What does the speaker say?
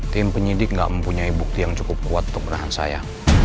tim penyidik nggak mempunyai bukti yang cukup kuat untuk menahan saya